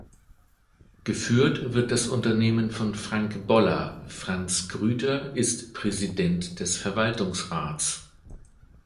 Geführt wird das Unternehmen von Frank Boller, Franz Grüter, ist Präsident des Verwaltungsrats.